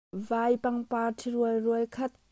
Vaipangpar ṭhi rual rual khat.